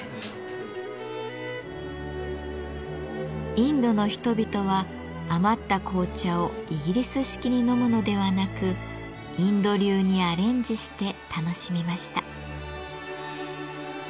インドの人々は余った紅茶をイギリス式に飲むのではなくインド流にアレンジして楽しみました。